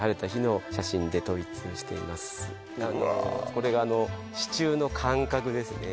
これがあの支柱の間隔ですね